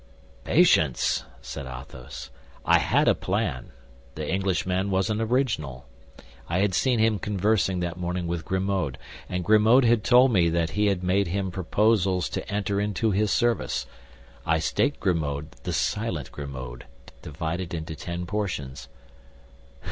"Patience!" said Athos; "I had a plan. The Englishman was an original; I had seen him conversing that morning with Grimaud, and Grimaud had told me that he had made him proposals to enter into his service. I staked Grimaud, the silent Grimaud, divided into ten portions."